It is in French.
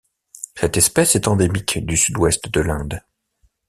Cette espèce est endémique du Sud-Ouest de l'Inde.